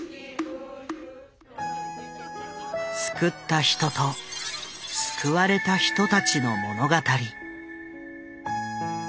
救った人と救われた人たちの物語。